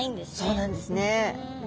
そうなんですね。